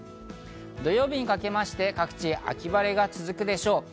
土曜日にかけまして各地、秋晴れが続くでしょう。